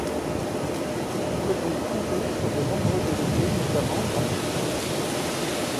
Il pouvait donc compter sur de nombreux délégués notamment dans les États du Sud.